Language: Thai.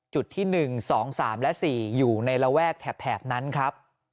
จุดที่๑๒๓และ๔อยู่ในระแวกแถบนั้นครับ